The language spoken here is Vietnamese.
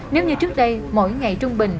nếu như trước đây mỗi ngày trung bình